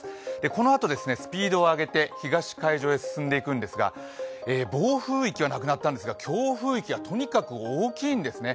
このあと、スピードを上げて東海上へ進んでいくんですが暴風域はなくなったんですが強風域がとにかく大きいんですね。